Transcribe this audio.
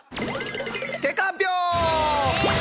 結果発表！